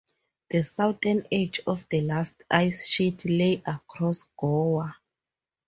The southern edge of the last ice sheet lay across Gower.